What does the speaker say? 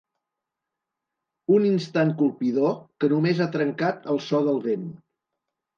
Un instant colpidor que només ha trencat el so del vent.